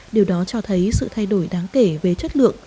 điều đó cho thấy sự thay đổi đáng kể về chất lượng